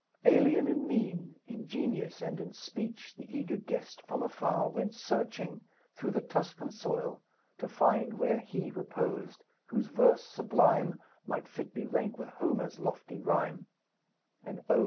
Alien in mien, in genius, and in speech, The eager guest from far Went searching through the Tuscan soil to find Where he reposed, whose verse sublime Might fitly rank with Homer's lofty rhyme; And oh!